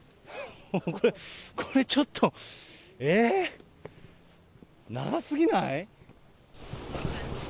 これ、これちょっと、えー、長すぎない？